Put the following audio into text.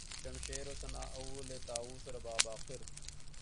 شمشیر و سناں اول طاؤس و رباب آخر